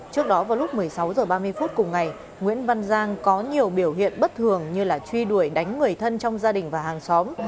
trước đó vào lúc một mươi sáu h ba mươi phút cùng ngày nguyễn văn giang có nhiều biểu hiện bất thường như truy đuổi đánh người thân trong gia đình và hàng xóm